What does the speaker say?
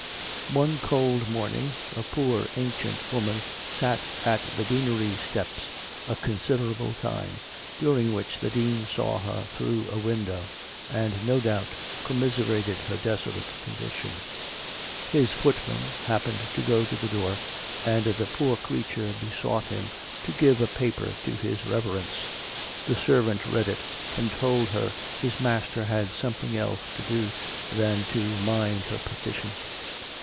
One cold morning a poor ancient woman sat at the deanery steps a considerable time, during which the dean saw her through a window, and, no doubt, commiserated her desolate condition. His footman happened to go to the door, and the poor creature besought him to give a paper to his reverence. The servant read it, and told her his master had something else to do than to mind her petition.